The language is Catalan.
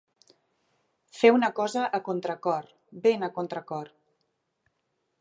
Fer una cosa a contracor, ben a contracor.